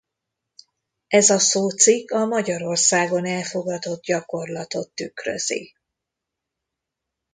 Ez a szócikk a Magyarországon elfogadott gyakorlatot tükrözi.